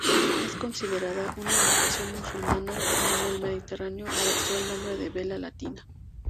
Es considerada una embarcación musulmana, en el Mediterráneo adoptó el nombre de vela latina.